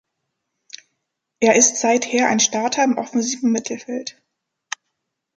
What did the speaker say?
Er ist seither ein Starter im offensiven Mittelfeld.